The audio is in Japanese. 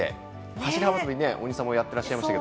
走り幅跳び大西さんもやってらっしゃいましたが。